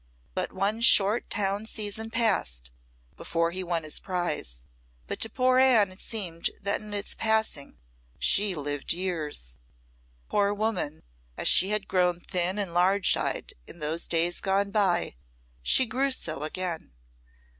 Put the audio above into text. But one short town season passed before he won his prize; but to poor Anne it seemed that in its passing she lived years. Poor woman, as she had grown thin and large eyed in those days gone by, she grew so again.